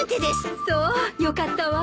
そうよかったわ。